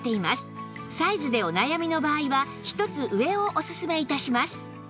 サイズでお悩みの場合は１つ上をおすすめ致します